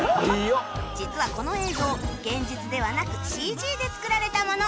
実はこの映像現実ではなく ＣＧ で作られたもの